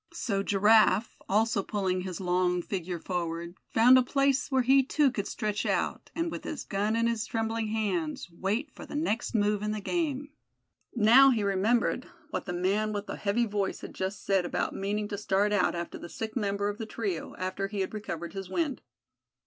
So Giraffe, also pulling his long figure forward, found a place where he too could stretch out, and with his gun in his trembling hands, wait for the next move in the game. Now he remembered what the man with the heavy voice had just said about meaning to start out after the sick member of the trio, after he had recovered his wind.